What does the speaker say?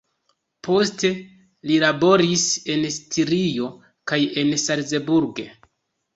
Poste li laboris en Stirio kaj en Salzburg.